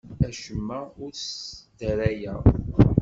Acemma ur t-sdarayeɣ.